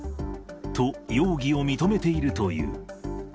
と、容疑を認めているという。